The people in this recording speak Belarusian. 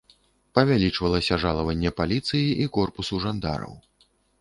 Павялічвалася жалаванне паліцыі і корпусу жандараў.